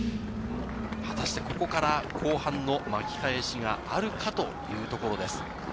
果たして、ここから後半の巻き返しがあるかというところです。